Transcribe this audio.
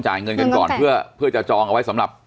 เงินกันก่อนเพื่อจะจองเอาไว้สำหรับ